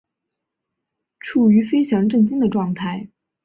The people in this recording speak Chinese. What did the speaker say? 处於非常震惊的状态